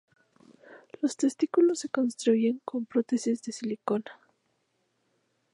Los testículos se construyen con prótesis de silicona.